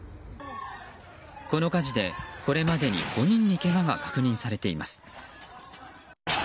この火事でこれまでに５人にけがが確認されています。